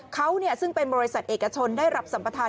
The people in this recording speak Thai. เขาซึ่งเป็นบริษัทเอกชนได้รับสัมประธาน